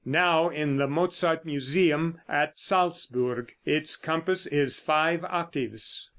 (Now in the Mozart Museum at Salzburg. Its compass is five octaves.)